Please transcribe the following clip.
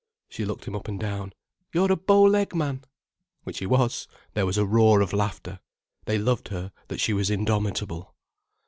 She looked him up and down. "You're a bow leg man." Which he was. There was a roar of laughter. They loved her that she was indomitable.